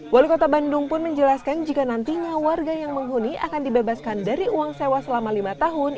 wali kota bandung pun menjelaskan jika nantinya warga yang menghuni akan dibebaskan dari uang sewa selama lima tahun